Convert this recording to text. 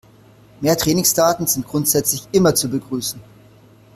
Mehr Trainingsdaten sind grundsätzlich immer zu begrüßen.